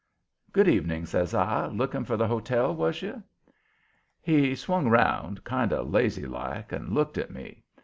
"Good evening," says I. "Looking for the hotel, was you?" He swung round, kind of lazy like, and looked at me.